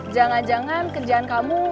jangan jangan kerjaan kamu